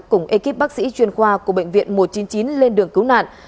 cùng ekip bác sĩ chuyên khoa của bệnh viện một trăm chín mươi chín lên đường cứu nạn